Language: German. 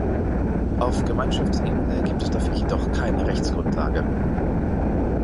Auf Gemeinschaftsebene gibt es dafür jedoch keine Rechtsgrundlage.